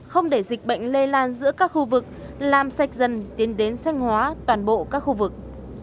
không để dịch bệnh lây lan giữa các khu vực làm sạch dần tiến đến xanh hóa toàn bộ các khu vực